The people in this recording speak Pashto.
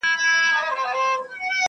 o قربان تر خپله کوره، چي خبره سي په زوره٫